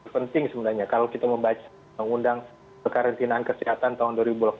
penting sebenarnya kalau kita membaca pengundang karantinaan kesehatan tahun dua ribu delapan belas